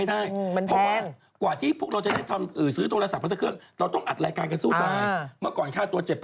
อันนี้ไม่ต้องถอยแบบนี้เลย